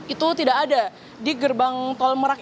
itu tidak ada di gerbang tol merak